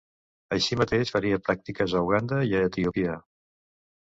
Així mateix faria pràctiques a Uganda i a Etiòpia.